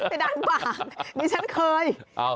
เพดานปากนี่ฉันเคย